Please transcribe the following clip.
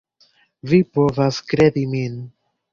Vi povas kredi min.